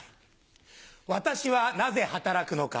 私はなぜ働くのか？